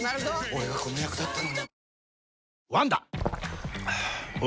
俺がこの役だったのにえ？